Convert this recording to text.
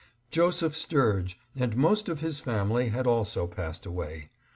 Joseph Sturge and most of his family had also passed away.